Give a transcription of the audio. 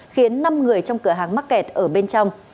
khiến năm người trong cửa hàng mắc kẹt ở bên trong